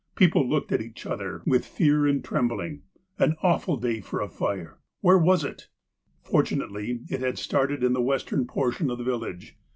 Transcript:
People looked at each other with fear and trembling. " An awful day for a fire !" "Where was it?" Fortunately, it had started in the western portion of the village.